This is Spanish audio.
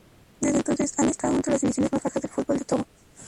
Desde entonces han estado entre las divisiones más bajas del fútbol de Togo.